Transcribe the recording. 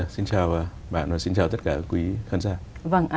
xin chào bạn và xin chào tất cả quý khán giả